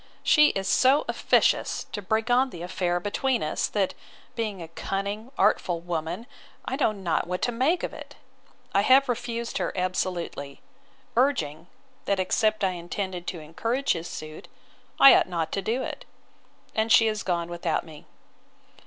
She is so officious to bring on the affair between us, that, being a cunning, artful woman, I know not what to make of it: I have refused her absolutely; urging, that except I intended to encourage his suit, I ought not to do it. And she is gone without me.